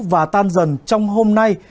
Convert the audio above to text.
và tan dần trong hôm nay